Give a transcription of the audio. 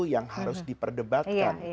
yang harus diperdebatkan